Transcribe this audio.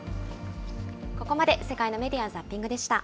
ここまで世界のメディア・ザッピングでした。